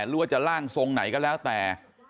หรือว่าจะร่างทรงไหนก็แล้วแต่